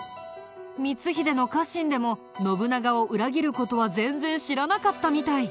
光秀の家臣でも信長を裏切る事は全然知らなかったみたい。